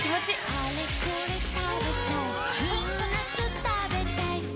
あれこれ食べたいみんなと食べたいん！